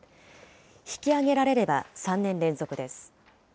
引き上げられれば、３年連続です。